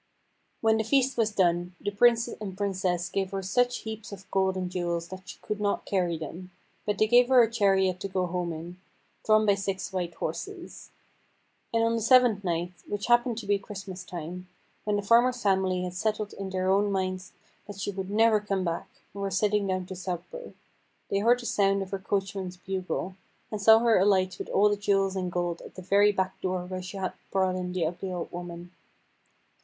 When the feast was done, the Prince and Princess gave her such heaps of gold and jewels that she could not carry them, but they gave her a chariot to go home in, drawn by six white horses. And on the seventh night, which happened to be Christmas time, when the farmer's family had settled in their own minds that she would never come back, and were sitting down to supper, they heard the sound of her coachman's bugle, and saw her alight with all the jewels and gold at the very back door where she had brought in the ugly old woman.